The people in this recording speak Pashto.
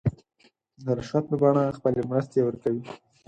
د رشوت په بڼه خپلې مرستې ورکوي.